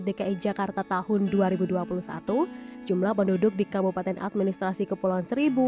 dki jakarta tahun dua ribu dua puluh satu jumlah penduduk di kabupaten administrasi kepulauan seribu